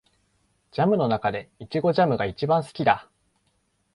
ジャムの中でイチゴジャムが一番好きだ